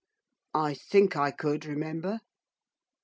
'I think I could remember.